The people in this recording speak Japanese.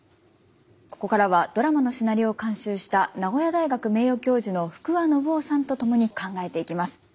ここからはドラマのシナリオを監修した名古屋大学名誉教授の福和伸夫さんと共に考えていきます。